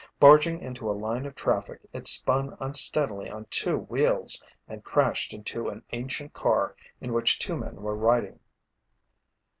Barging into a line of traffic, it spun unsteadily on two wheels and crashed into an ancient car in which two men were riding.